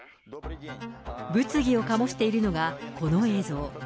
物議を醸しているのが、この映像。